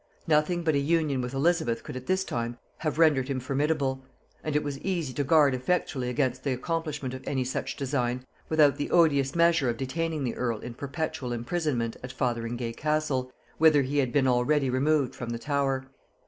Nothing but an union with Elizabeth could at this time have rendered him formidable; and it was easy to guard effectually against the accomplishment of any such design, without the odious measure of detaining the earl in perpetual imprisonment at Fotheringay Castle, whither he had been already removed from the Tower.